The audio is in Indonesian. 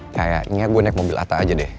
kayaknya gue naik mobil apa aja deh